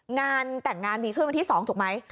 งานแต่งงานมีขึ้นวันที่๒ถูกไหม